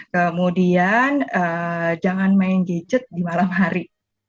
kemudian jangan main gadget di malam hari